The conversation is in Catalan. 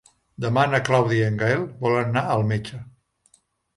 Demà na Clàudia i en Gaël volen anar al metge.